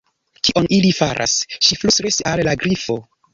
"Kion ili faras?" ŝi flustris al la Grifo.